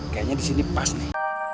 kayaknya disini pas nih